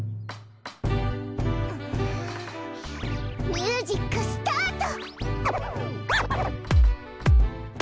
ミュージックスタート！